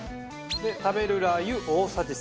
で食べるラー油大さじ３。